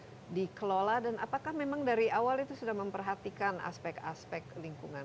itu dikelola dan apakah memang dari awal itu sudah memperhatikan aspek aspek lingkungan